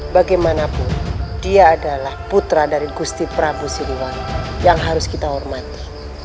bagaimanapun dia adalah putra dari gusti prabu siliwan yang harus kita hormati